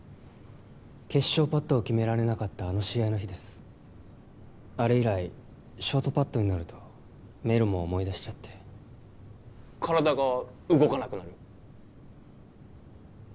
決勝パットを決められなかったあの試合の日ですあれ以来ショートパットになるとメルモを思い出しちゃって体が動かなくなる？